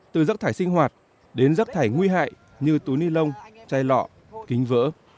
từ rắp thải sinh hoạt đến rắp thải nguy hại như túi ni lông chai lọ kính vỡ